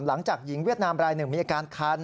หลังจากหญิงเวียดนามรายหนึ่งมีอาการคัน